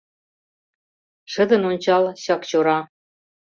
Шыдын ончал, Чакчора